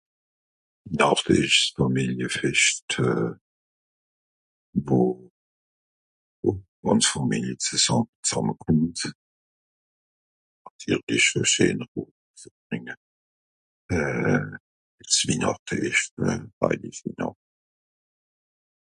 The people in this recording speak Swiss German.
Wihnàchte ìsch 's Fàmiliefescht euh... wo... d'Gànz Fàmilie zusa... zàmme kùmmt. Natirlisch scheener (...) ze brìnge. Euh... s'Wihnàchte ìsch d'heilische Nàcht.